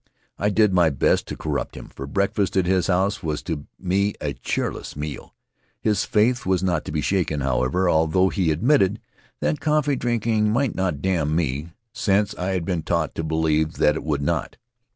I did my best to corrupt him, for breakfast at his house was to me a cheerless meal. His faith was not to be shaken, however, although he admitted that coffee drinking might not damn me, since I had been taught to believe that it would not.